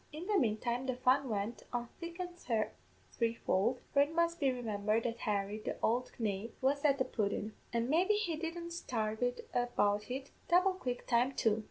"In the manetime the fun went on thick an' threefold, for it must be remimbered that Harry, the ould knave, was at the pudden; an' maybe he didn't sarve it about in double quick time too.